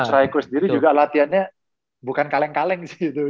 coach raiko sendiri juga latihannya bukan kaleng kaleng sih gitu